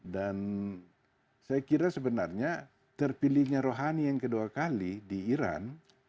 dan saya kira sebenarnya terpilihnya rouhani yang kedua kali di iran